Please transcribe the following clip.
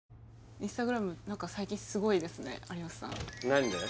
インスタグラムすごいですね有吉さん何で？